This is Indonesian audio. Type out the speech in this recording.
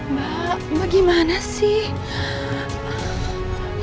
mbak gimana sih